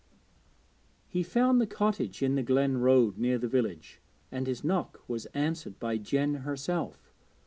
He found the cottage in the glen road near the village, and his knock was answered by Jen herself.